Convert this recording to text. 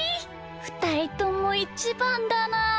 ふたりともいちばんだなあ。